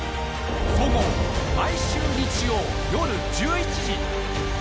総合毎週日曜夜１１時。